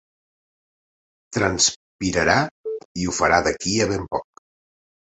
Transpirarà i ho farà d'aquí a ben poc.